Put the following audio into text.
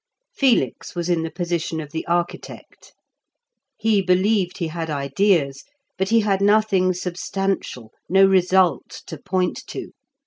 Felix was in the position of the architect. He believed he had ideas, but he had nothing substantial, no result, to point to.